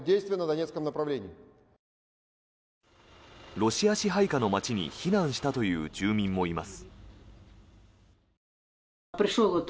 ロシア支配下の街に避難したという住民もいます。